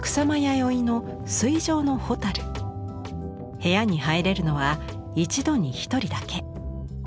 部屋に入れるのは一度に一人だけ。